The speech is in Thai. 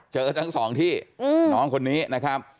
เจอทั้งสองที่น้องคนนี้นะครับ